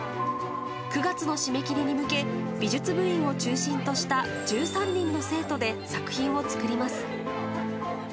９月の締め切りに向け、美術部員を中心とした１３人の生徒で作品を作ります。